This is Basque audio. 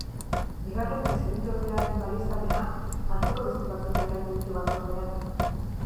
Bigarren presidenteordearen baieztapenak antzeko beste batzuk jarraitu ditu batzordean.